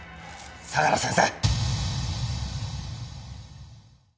相良先生！